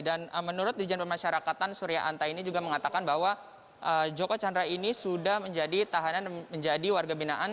dan menurut dirjen pemasyarakatan surya anta ini juga mengatakan bahwa joko chandra ini sudah menjadi tahanan menjadi warga binaan